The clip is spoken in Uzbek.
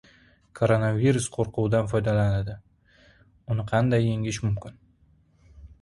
Koronavirus qo‘rquvdan foydalanadi. Uni qanday yengish mumkin?